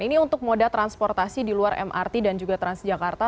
ini untuk moda transportasi di luar mrt dan juga transjakarta